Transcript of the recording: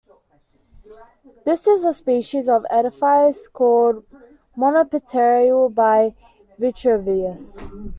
This is the species of edifice called "monopteral" by Vitruvius.